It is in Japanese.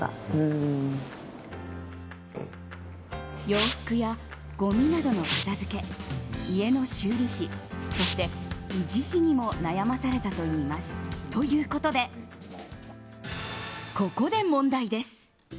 洋服や、ごみなどの片付け家の修理費そして、維持費にも悩まされたといいます。ということで、ここで問題です。